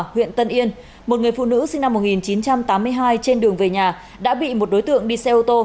huyện tân yên một người phụ nữ sinh năm một nghìn chín trăm tám mươi hai trên đường về nhà đã bị một đối tượng đi xe ô tô